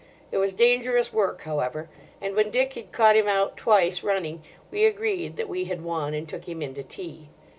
It was dangerous work, however, and when Dick had caught him out twice running, we agreed that we had won, and took him in to tea.